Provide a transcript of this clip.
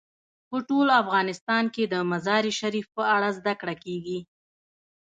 په ټول افغانستان کې د مزارشریف په اړه زده کړه کېږي.